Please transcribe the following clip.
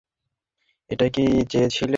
এটাই কি চেয়েছিলে, হাহ?